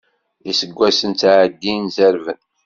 Iseggasen ttɛeddin, zerrben.